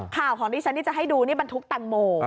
ข่าวของดิฉันนี่จะให้ดูบันทุกตังโม